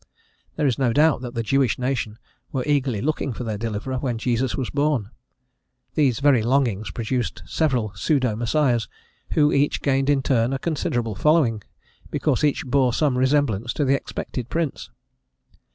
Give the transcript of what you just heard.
There is no doubt that the Jewish nation were eagerly looking for their Deliverer when Jesus was born: these very longings produced several pseudo Messiahs, who each gained in turn a considerable following, because each bore some resemblance to the expected Prince.